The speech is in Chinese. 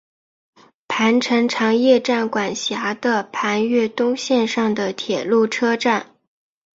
磐城常叶站管辖的磐越东线上的铁路车站。